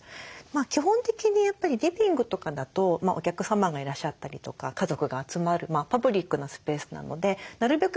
基本的にやっぱりリビングとかだとお客様がいらっしゃったりとか家族が集まるパブリックなスペースなのでなるべく